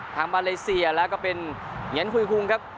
ทางมาเลเซียแล้วก็เป็นเหง็นคุ้งคุ้งครับ